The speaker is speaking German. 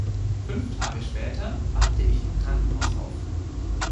Fünf Tage später wachte ich im Krankenhaus auf.